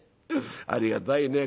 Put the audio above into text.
ありがたいね。